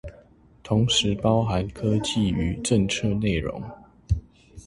同時包含科技與政策內容